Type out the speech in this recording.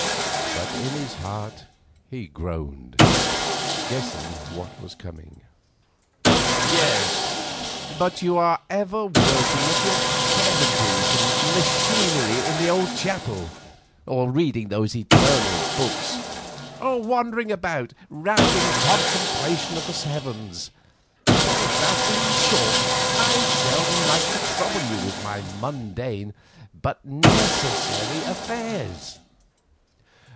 But in his heart he groaned, guessing what was coming. "Yes; but you are ever working at your chemicals and machinery in the old chapel; or reading those eternal books; or wandering about rapt in contemplation of the heavens; so that, in short, I seldom like to trouble you with my mundane but necessary affairs."